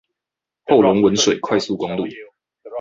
後龍汶水快速公路